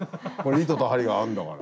糸と針があるんだから。